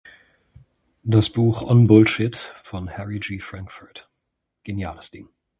Das Buch On Bullshit von Harry G. Frankfurt. Geniales Ding.